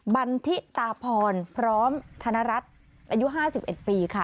บันทิตาพรพร้อมธนรัฐอายุ๕๑ปีค่ะ